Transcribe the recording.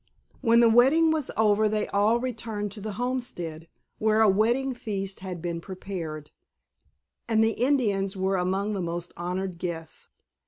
When the wedding was over they all returned to the homestead, where a wedding feast had been prepared, and the Indians were among the most honored guests.